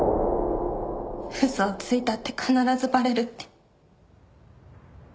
嘘をついたって必ずバレるって。